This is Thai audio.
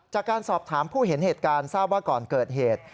จากการสอบถามผู้เห็นเหตุการณ์ทราบว่าก่อนเกิดเหตุ